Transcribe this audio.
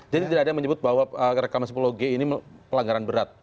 jadi tidak ada yang menyebut bahwa rekomendasi sepuluh g ini pelanggaran berat